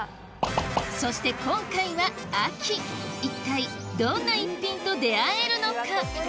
そして今回は秋一体どんな逸品と出合えるのか？